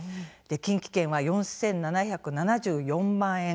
近畿圏は、４７７４万円。